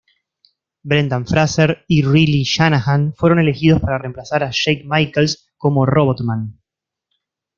Brendan Fraser y Riley Shanahan fueron elegidos para reemplazar a Jake Michaels como Robotman.